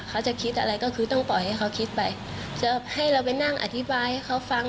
เขาจะคิดอะไรก็คือต้องปล่อยให้เขาคิดไปจะให้เราไปนั่งอธิบายให้เขาฟัง